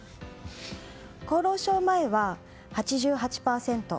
厚労省前は８８％